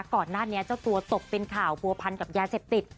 ก่อนหน้านี้เจ้าตัวตกเป็นข่าวผัวพันกับยาเสพติด